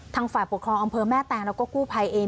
ทางฝ่าประกอบคลองกแม่ต้งและก็กู้ภัยเอม